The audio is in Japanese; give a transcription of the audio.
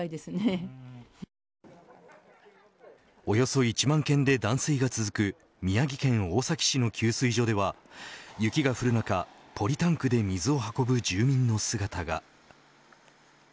およそ１万軒で断水が続く宮城県大崎市の給水所では雪が降る中、ポリタンクで水を運ぶ住民の姿が。